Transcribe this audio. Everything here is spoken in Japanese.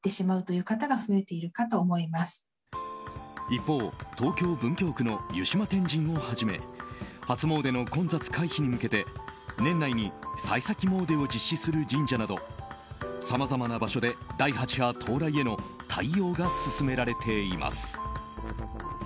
一方、東京・文京区の湯島天神をはじめ初詣の混雑回避に向けて年内に幸先詣を実施する神社などさまざまな場所で第８波到来への対応が進められています。